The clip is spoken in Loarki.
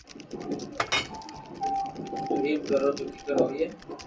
تو ايم ڪرو تو ڪيڪر ھوئي